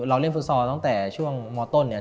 เราเล่นฟุตซอลตั้งแต่ช่วงมต้นเนี่ย